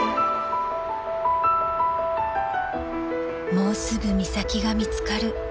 ［もうすぐ美咲が見つかる］